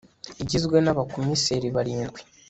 igizwe n abakomiseri barindwi